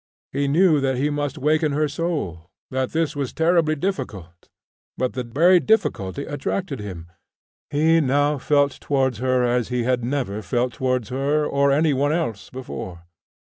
He knew that he must waken her soul, that this was terribly difficult, but the very difficulty attracted him. He now felt towards her as he had never felt towards her or any one else before.